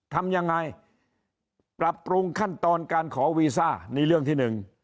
ทำยังไงปรับปรุงขั้นตอนการขอวีซ่านี่เรื่องที่หนึ่ง